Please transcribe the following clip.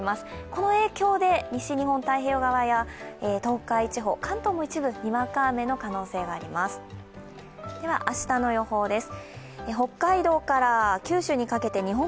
この影響で西日本太平洋側や、東海地方、関東でも一部にわか雨の可能性があります。